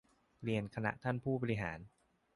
เรียนคณะท่านผู้บริหาร